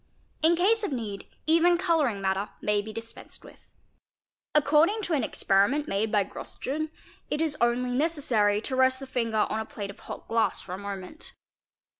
In case of need even colouring matter may be dispensed with. According to an experiment made by Gross Jun., it is only necessary to rest the finger on a plate of hot glass — for a moment.